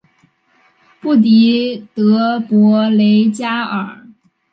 布迪德博雷加尔。